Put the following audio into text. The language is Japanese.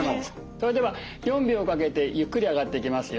それでは４秒かけてゆっくり上がっていきますよ。